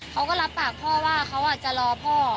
เขาก็รับปากพ่อว่าเขาจะรอพ่อ